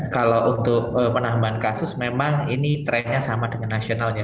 kalau untuk penambahan kasus memang ini trennya sama dengan nasionalnya